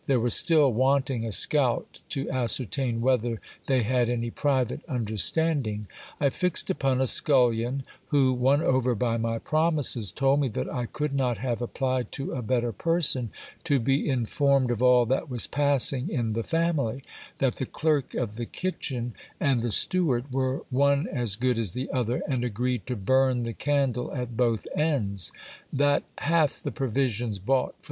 There was still waftting a scout to ascertain whether they had any private understanding. I fixed upon a scullion, who, won over by my promises, told me that I could not have ap plied to a better person to be informed of all that was passing in the family ; that the clerk of the kitchen and the steward were one as good as the other, and agreed to burn the candle at both ends ; that half the provisions bought for 270 GIL BLAS.